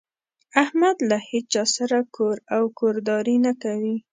احمد له هيچا سره کور او کورداري نه کوي.